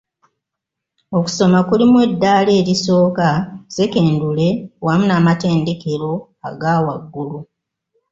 "Okusoma kulimu eddaala erisooka, ssekendule wamu n’amatendekero agaawaggulu."